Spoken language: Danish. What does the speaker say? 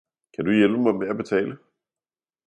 kan du hjælpe mig med at betale